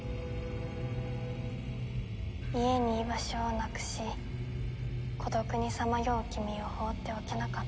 「家に居場所をなくし孤独に彷徨う君を放っておけなかった」